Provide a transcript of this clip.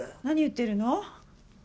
何言ってるの？